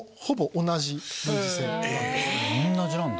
同じなんだ。